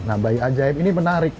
nah bayi ajaim ini menarik